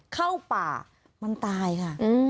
เข้าป่ามันตายค่ะ